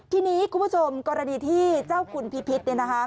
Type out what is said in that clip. ทีนี้คุณผู้ชมกรณีที่เจ้าคุณพิพิษ